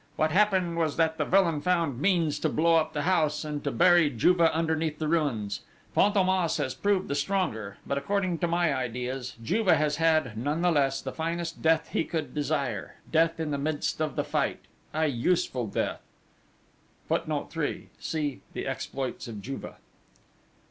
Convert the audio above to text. What happened was that the villain found means to blow up the house, and to bury Juve underneath the ruins. Fantômas has proved the stronger; but, according to my ideas, Juve has had, none the less, the finest death he could desire death in the midst of the fight a useful death!" [Footnote 3: See The Exploits of Juve.